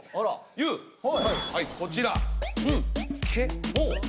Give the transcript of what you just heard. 裕こちら。